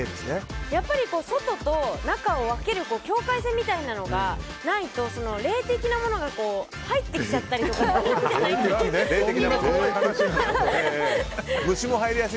外と中を分ける境界線みたいなのがないと霊的なものが入ってきちゃったりして。